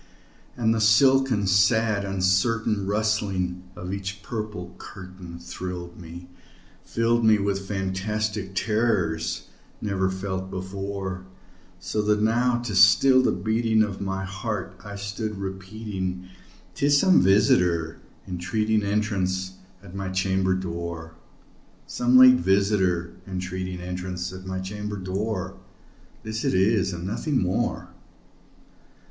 And the silken sad uncertain rustling of each purple curtain Thrilled me filled me with fantastic terrors never felt before; So that now, to still the beating of my heart, I stood repeating "'Tis some visitor entreating entrance at my chamber door Some late visitor entreating entrance at my chamber door; This it is and nothing more."